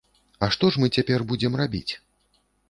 А што ж мы цяпер будзем рабіць?